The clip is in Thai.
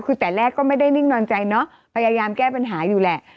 คือแต่แรกก็ไม่ได้นิ่งนอนใจเนอะพยายามแก้ปัญหาอยู่แหละ